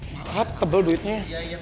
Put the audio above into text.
maaf tebel duitnya